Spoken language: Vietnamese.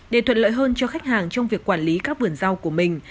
để thuận lợi hơn cho khách hàng trong việc quản lý các vườn rau của mình